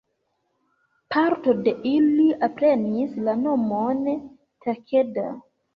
Parto de ili alprenis la nomon Takeda.